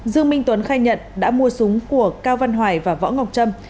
dương minh tuấn khai nhận đã mua súng của cao văn hoài và võ ngọc trâm